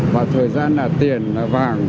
và thời gian là tiền vàng